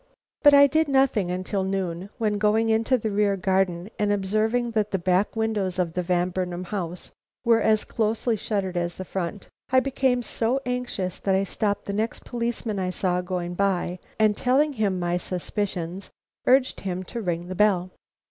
But I did nothing till noon, when going into my rear garden and observing that the back windows of the Van Burnam house were as closely shuttered as the front, I became so anxious that I stopped the next policeman I saw going by, and telling him my suspicions, urged him to ring the bell.